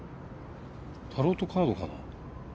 タロットカードかな？